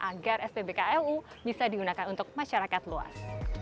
agar spbklu bisa digunakan untuk masyarakat luas